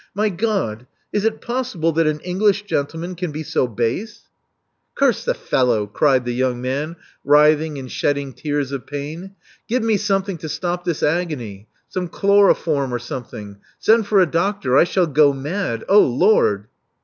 My God, is it possible that an English gentleman can be so base!" 354 Love Among the Artists Curse the fellow!" cried the young man, writhing and shedding tears of pain. '*Give me something to stop this agony — some chloroform or something. Send for a doctor. I shall go mad. Oh, Lord!"